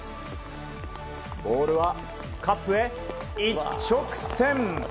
ボールはカップへ一直線！